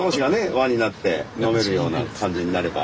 輪になって飲めるような感じになれば。